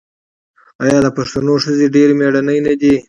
آیا د پښتنو ښځې ډیرې میړنۍ نه دي؟